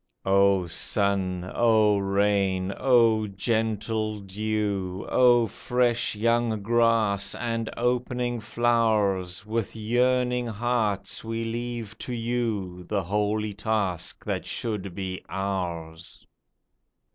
O sun ! O rain ! O gentle dew ! O fresh young grass, and opening flowers ! With yearning hearts we leave to you The holy task that should be ours